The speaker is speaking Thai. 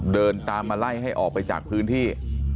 เดินตามมาไล่ให้ออกไปจากพื้นที่